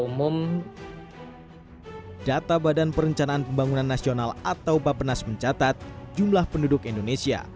hai data badan perencanaan pembangunan nasional atau adaptenas mencatat jumlah penduduk indonesia